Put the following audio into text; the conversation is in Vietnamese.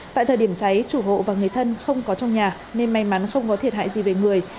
tại thời điểm cháy chủ hộ và người thân không có trong nhà nên may mắn không có thiệt hại gì về người